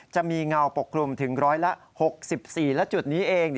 เงาปกคลุมถึงร้อยละ๖๔และจุดนี้เอง